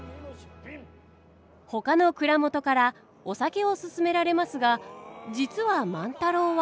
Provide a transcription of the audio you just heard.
ほかの蔵元からお酒を勧められますが実は万太郎は。